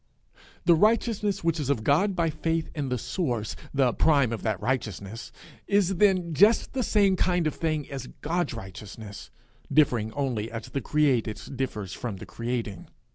The righteousness which is of God by faith in the source, the prime of that righteousness, is then just the same kind of thing as God's righteousness, differing only as the created differs from the creating.